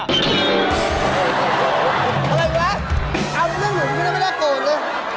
อะไรก็แล้วอำเรื่องหลุมก็เลยไม่ได้เกิดเลย